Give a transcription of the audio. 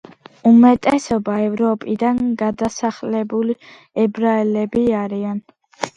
უმეტესობა ევროპიდან გადასახლებული ებრაელები არიან.